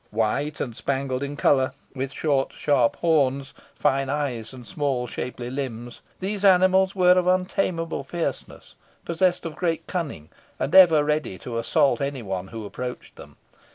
White and spangled in colour, with short sharp horns, fine eyes, and small shapely limbs, these animals were of untameable fierceness, possessed of great cunning, and ever ready to assault any one who approached them.